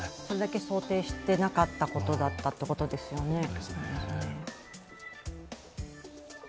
それだけ想定していなかったことだったということですよね。